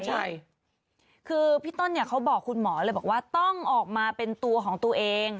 ใช่คือพี่ต้นเนี่ยเขาบอกคุณหมอเลยบอกว่าต้องออกมาเป็นตัวของตัวเอง